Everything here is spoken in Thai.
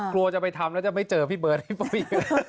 กลัวจะไปทำแล้วจะไม่เจอพี่เบิร์ตให้ฟังอีก